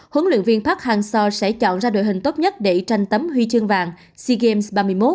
huấn luyện viên park hang seo sẽ chọn ra đội hình tốt nhất để tranh tấm huy chương vàng sea games ba mươi một